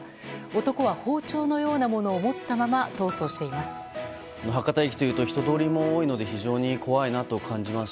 男は包丁のようなものを持ったまま逃走しています。